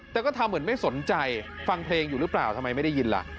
แต่ก็ทำเหมือนไม่สนใจฟังเพลงอยู่หรือเปล่าทำไมไม่ได้ยินล่ะ